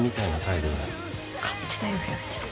勝手だよ、陽ちゃん。